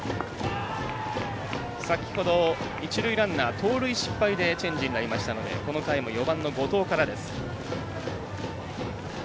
先ほど１塁ランナー盗塁失敗でチェンジになりましたのでこのタイム、４番の後藤からです。